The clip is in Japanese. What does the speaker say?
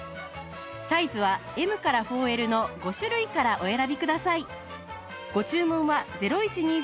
サイズは Ｍ から ４Ｌ の５種類からお選びください